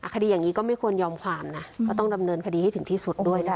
คดีอย่างนี้ก็ไม่ควรยอมความนะก็ต้องดำเนินคดีให้ถึงที่สุดด้วยนะคะ